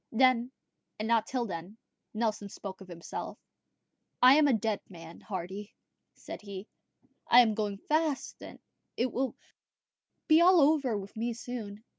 Then, and not till then, Nelson spoke of himself. "I am a dead man, Hardy," said he; "I am going fast; it will be all over with me soon."